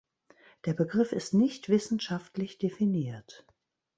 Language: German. Der Begriff ist nicht wissenschaftlich definiert.